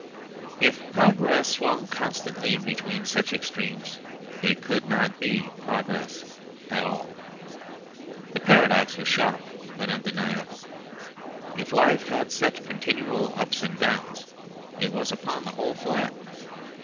If progress swung constantly between such extremes it could not be progress at all. The paradox was sharp but undeniable; if life had such continual ups and downs, it was upon the whole flat.